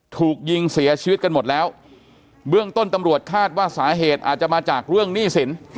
ถูกยิงเสียชีวิตกันหมดแล้วเบื้องต้นตำรวจคาดว่าสาเหตุอาจจะมาจากเรื่องหนี้สิน